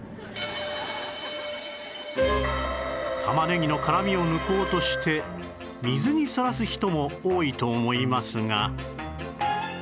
玉ねぎの辛みを抜こうとして水にさらす人も多いと思いますが